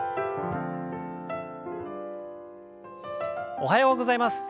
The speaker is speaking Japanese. おはようございます。